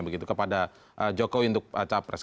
begitu kepada jokowi untuk capres